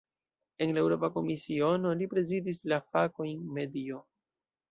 En la Eŭropa Komisiono, li prezidis la fakojn "medio".